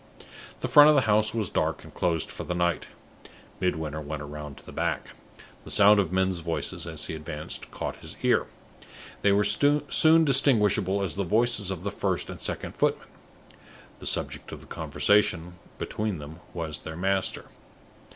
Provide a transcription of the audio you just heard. The front of the house was dark, and closed for the night. Midwinter went round to the back. The sound of men's voices, as he advanced, caught his ear. They were soon distinguishable as the voices of the first and second footman, and the subject of conversation between them was their master.